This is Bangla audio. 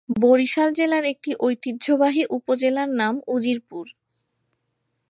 বরিশাল জেলার একটি ঐতিহ্যবাহী উপজেলার নাম উজিরপুর।